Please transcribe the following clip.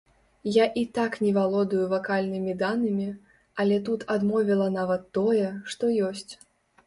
Я і так не валодаю вакальнымі данымі, але тут адмовіла нават тое, што ёсць.